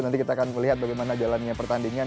nanti kita akan melihat bagaimana jalannya pertandingan